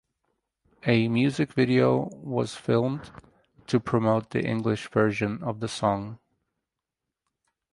A music video was filmed to promote the English version of the song.